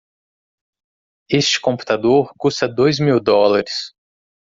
Este computador custa dois mil dólares.